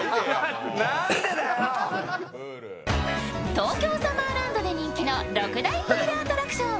東京サマーランドで人気の６大人気アトラクション。